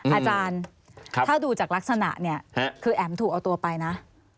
อาจารย์ถ้าดูจากลักษณะเนี่ยคือแอ๋มถูกเอาตัวไปนะ